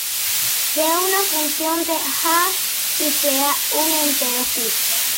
Sea una función de hash, y sea un entero fijo.